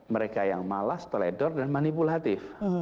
mereka yang malas teledor dan manipulatif